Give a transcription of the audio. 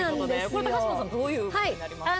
これ高嶋さんどういうものになりますか？